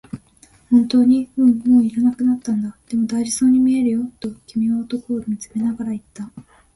「本当に？」、「うん、もう要らなくなったんだ」、「でも、大事そうに見えるよ」と君は男を見つめながら言った。